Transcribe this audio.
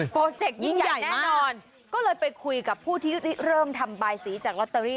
เจกต์ยิ่งใหญ่แน่นอนก็เลยไปคุยกับผู้ที่เริ่มทำบายสีจากลอตเตอรี่